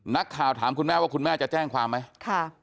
นักข่าวถามคุณแม่ว่าคุณแม่จะแจ้งความไหมค่ะ